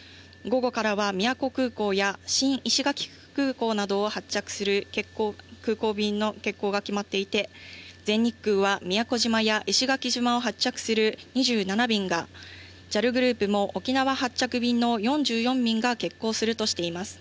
午後からは宮古空港や新石垣空港などを発着する空港便の欠航が決まっていて、全日空は宮古島や石垣島を発着する２７便がＪＡＬグループも沖縄発着便の４４便が欠航するとしています。